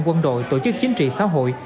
quân đội tổ chức chính trị xã hội